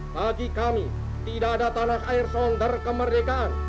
bagi kami tidak ada tanah air sonter kemerdekaan